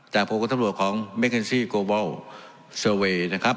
จากโปรโกทรัพย์หัวของแมคเคนซี่โกร์บอลเซอร์เวย์นะครับ